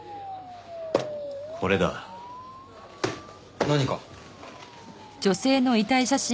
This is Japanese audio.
これだ。何か？